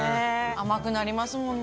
甘くなりますもんね。